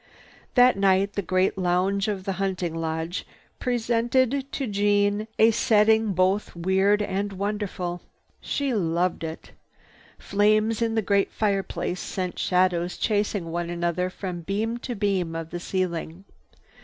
That night the great lounge of the hunting lodge presented to Jeanne a setting both weird and wonderful. She loved it. Flames in the great fireplace sent shadows chasing one another from beam to beam of the ceiling.